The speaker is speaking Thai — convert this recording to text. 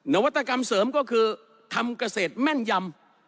นวัตกรรมเสริมก็คือทำเกษตรแม่นยำ